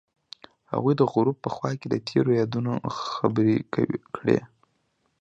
هغوی د غروب په خوا کې تیرو یادونو خبرې کړې.